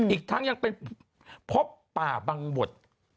อีกทั้งยังเป็นพบป่าบังบด